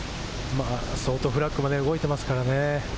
相当、フラッグも動いてますからね。